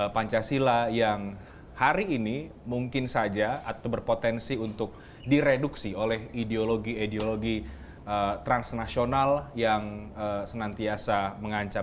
pancasila yang hari ini mungkin saja atau berpotensi untuk direduksi oleh ideologi ideologi transnasional yang senantiasa mengancam